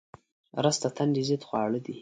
رس د تندې ضد خواړه دي